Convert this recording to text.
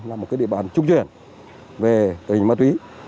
là một địa bàn trung chuyển về tình hình ma túy